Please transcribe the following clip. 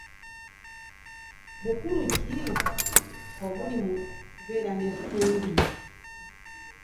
Bukulu ki obuli mu ku beera n'esuubi.